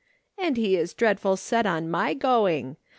" And he is dreadful set on my going.